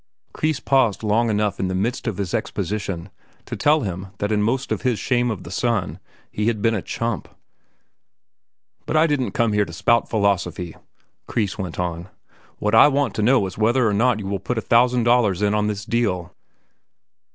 Kreis paused long enough in the midst of his exposition to tell him that in most of his "Shame of the Sun" he had been a chump. "But I didn't come here to spout philosophy," Kreis went on. "What I want to know is whether or not you will put a thousand dollars in on this deal?"